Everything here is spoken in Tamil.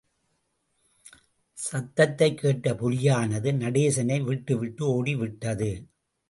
சத்தத்தைக் கேட்ட புலியானது நடேசனை விட்டுவிட்டு ஓடிவிட்டது.